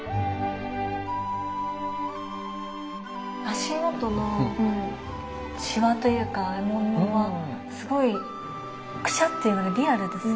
足元のしわというか衣紋がすごいくしゃっていうのがリアルですよね。